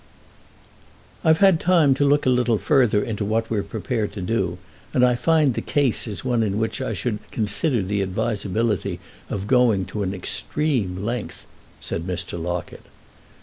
"I'VE had time to look a little further into what we're prepared to do, and I find the case is one in which I should consider the advisability of going to an extreme length," said Mr. Locket.